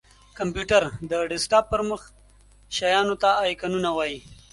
کمپېوټر:د ډیسکټاپ پر مخ شېانو ته آیکنونه وایې!